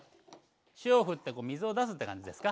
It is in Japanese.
塩をふって水を出すって感じですか？